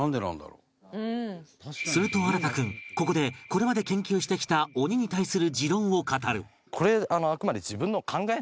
すると創君ここでこれまで研究してきた鬼に対する持論を語る